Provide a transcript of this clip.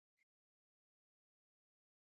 ساره نوې راځوانه شوې ده، په شونډو یې ښه خوله ډکېږي.